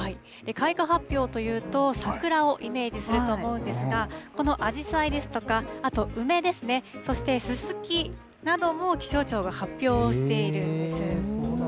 開花発表というと、桜をイメージすると思うんですが、このアジサイですとか、あと梅ですね、そしてススキなども気象庁が発表をしているんです。